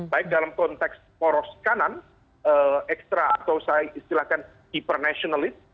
baik dalam konteks poros kanan ekstra atau saya istilahkan hipernationalis